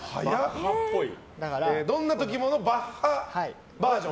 「どんなときも」のバッハバージョン。